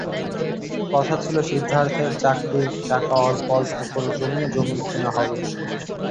কথা ছিল সিদ্ধার্থের চাকরির টাকা অল্প অল্প করে জমিয়ে জমি কেনা হবে।